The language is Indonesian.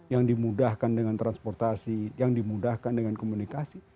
yang dimudahkan dengan transportasi yang dimudahkan dengan komunikasi